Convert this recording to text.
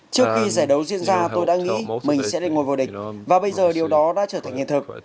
trước khi giải đấu diễn ra tôi đã nghĩ mình sẽ lên ngôi vô địch và bây giờ điều đó đã trở thành hiện thực